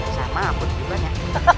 sama abut juga ya